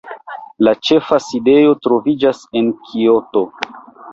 La ĉefa sidejo troviĝas en Kioto.